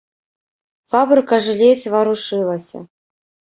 Фабрыка ж ледзь варушылася.